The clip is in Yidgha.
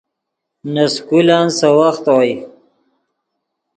نے سکولن سے وخت اوئے